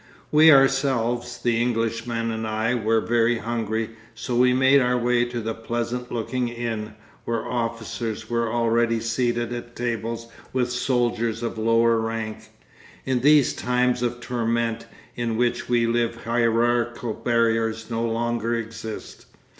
We ourselves, the Englishman and I, were very hungry, so we made our way to the pleasant looking inn, where officers were already seated at table with soldiers of lower rank. (In these times of torment in which we live hierarchal barriers no longer exist.)